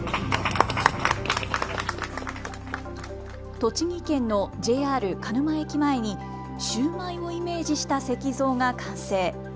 栃木県のＪＲ鹿沼駅前にシューマイをイメージした石像が完成。